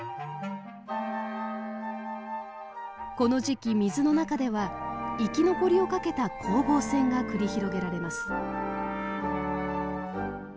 この時期水の中では生き残りをかけた攻防戦が繰り広げられます。